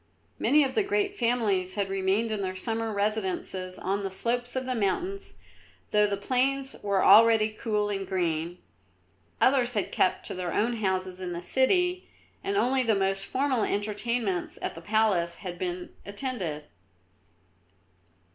Many of the great families had remained in their summer residences on the slopes of the mountains, though the plains were already cool and green; others had kept to their own houses in the city, and only the most formal entertainments at the palace had been attended.